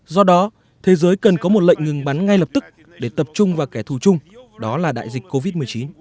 do đó thế giới cần có một lệnh ngừng bắn ngay lập tức để tập trung vào kẻ thù chung đó là đại dịch covid một mươi chín